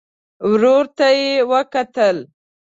ورور ته يې وکتل.